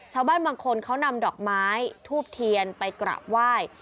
ชาวบ้านบางคนเขานำดอกไม้ทูบเทียนไปกราบไหว้